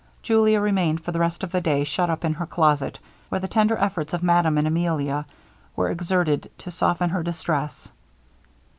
Julia remained for the rest of the day shut up in her closet, where the tender efforts of Madame and Emilia were exerted to soften her distress.